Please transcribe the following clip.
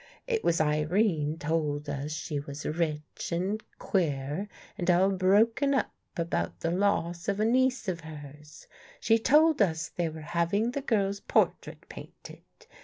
It was Irene told us she was rich and queer and all broken up about the loss of a niece of hers. She told us they were having the girl's portrait painted.